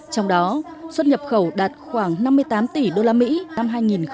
trong đó xuất nhập khẩu đạt khoảng năm mươi tám tỷ đô la mỹ năm hai nghìn một mươi bảy